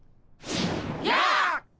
やっ！